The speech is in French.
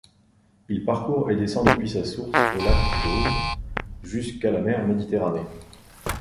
Il parcourt et descend depuis sa source au lac d'Aude jusqu'à la mer Méditerranée.